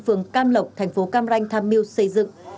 phường cam lộc tp cam ranh tham mưu xây dựng